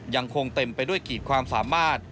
ยังคงเต็มไปด้วยกีดความสามารถ